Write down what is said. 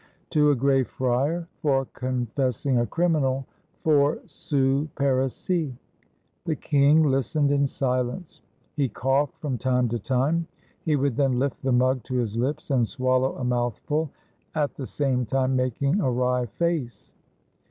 "To a Gray Friar, for confessing a criminal, four sous parisis." The king listened in silence. He coughed from time to time ; he would then lift the mug to his lips and swallow a mouthful, at the same time making a wry face.